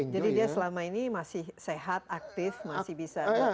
jadi dia selama ini masih sehat aktif masih bisa